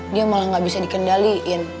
dia malah gak bisa dikendaliin